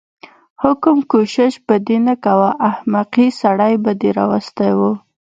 حم کوشش به دې نه کوه احمقې سړی به دې راوستی و.